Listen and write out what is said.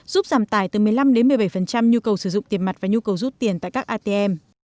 giúp giảm tải từ một mươi năm một mươi bảy nhu cầu sử dụng tiền mặt và nhu cầu rút tiền tại các atm